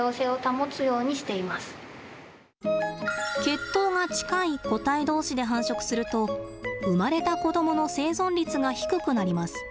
血統が近い個体同士で繁殖すると生まれた子どもの生存率が低くなります。